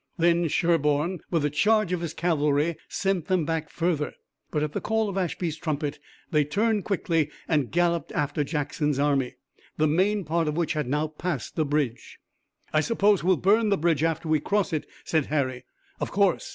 Then Sherburne, with a charge of his cavalry, sent them back further. But at the call of Ashby's trumpet they turned quickly and galloped after Jackson's army, the main part of which had now passed the bridge. "I suppose we'll burn the bridge after we cross it," said Harry. "Of course."